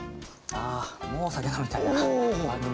あもう酒飲みたいな。